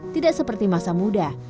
tidak seperti masa muda